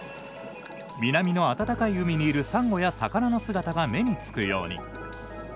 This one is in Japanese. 南の温かい海にいるさんごや魚の姿が目につくように。